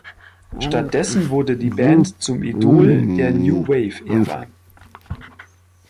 Stattdessen wurde die Band zum Idol der New-Wave-Ära.